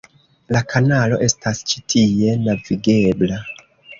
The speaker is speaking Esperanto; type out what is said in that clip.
La kanalo estas ĉi tie navigebla.